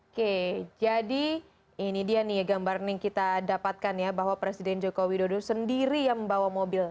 oke jadi ini dia nih gambar yang kita dapatkan ya bahwa presiden jokowi duduk sendiri yang membawa mobil